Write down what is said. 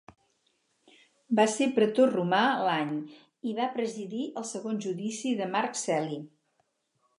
Va ser pretor romà l'any i va presidir el segon judici de Marc Celi.